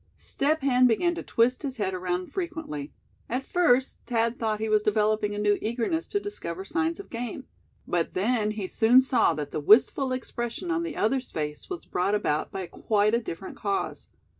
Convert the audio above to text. Step Hen began to twist his head around frequently. At first Thad thought he was developing a new eagerness to discover signs of game; but then he soon saw that the wistful expression on the other's face was brought about by quite a different cause.